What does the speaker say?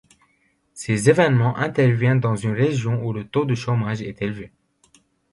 Ces événements interviennent dans une région où le taux de chômage est élevé.